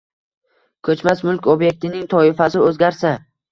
Koʼchmas mulk obʼektining toifasi oʼzgarsa